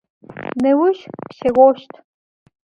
Nêuş pşeğoşt.